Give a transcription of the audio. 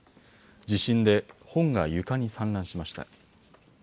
地震で本が床に散乱しました。